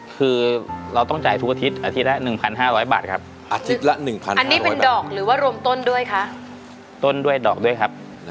คือเราต้องจ่ายทุกอาทิตย์อาทิตย์ละ๑๕๐๐บาทครับ